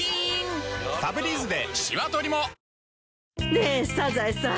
ねえサザエさん